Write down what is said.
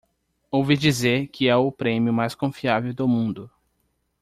Ouvi dizer que é o prêmio mais confiável do mundo.